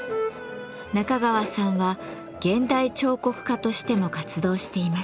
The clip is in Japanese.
中川さんは現代彫刻家としても活動していました。